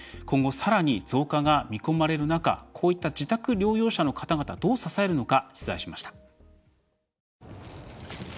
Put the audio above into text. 今後、さらに増加が見込まれる中こういった自宅療養者の方々どう支えるのか取材しました。